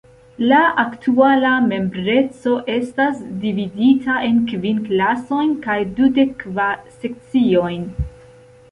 La aktuala membreco estas dividita en kvin klasojn kaj dudek kvar sekciojn.